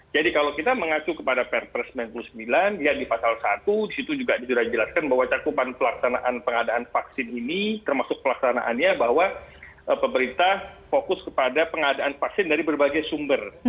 jadi kalau kita mengaku kepada perpres sembilan puluh sembilan yang di pasal satu disitu juga sudah dijelaskan bahwa cakupan pelaksanaan pengadaan vaksin ini termasuk pelaksanaannya bahwa pemerintah fokus kepada pengadaan vaksin dari berbagai sumber